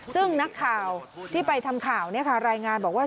ซึ่งนักข่าวที่ไปทำข่าวรายงานบอกว่า